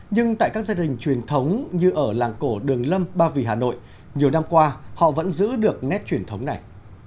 nhưng tại các gia đình truyền thống như ở làng cổ đường lâm ba vì hà nội nhiều năm qua họ vẫn giữ được nét truyền thống này